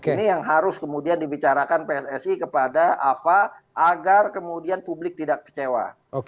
ini yang harus kemudian dibicarakan pssi kepada afa agar kemudian publik tidak kecewa